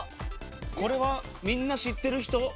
これはみんな知ってる人？